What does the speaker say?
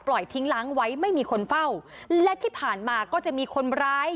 ทิ้งล้างไว้ไม่มีคนเฝ้าและที่ผ่านมาก็จะมีคนร้าย